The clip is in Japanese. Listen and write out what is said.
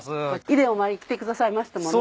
以前お参りに来てくださいましたもんね。